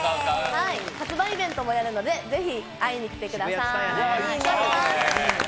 発売イベントもやるので、ぜひ会いに来てください。